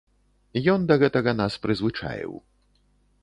Ён да гэтага нас прызвычаіў.